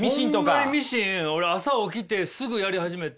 ホンマにミシン俺朝起きてすぐやり始めて。